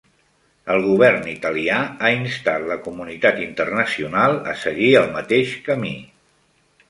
El govern italià ha instat la comunitat internacional a seguir el mateix camí.